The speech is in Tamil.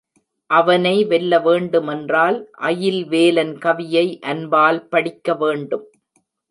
அவனை வெல்ல வேண்டுமென்றால் அயில்வேலன் கவியை அன்பால் படிக்க வேண்டும்.